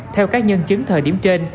theo các nhân chứng thời điểm trên